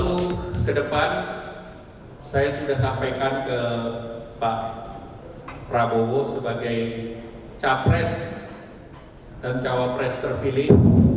tentu ke depan saya sudah sampaikan ke pak prabowo sebagai capres dan cawapres terpilih